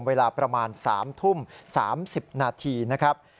เวลาประมาณ๓ทุ่ม๓๐นาทีนะครับ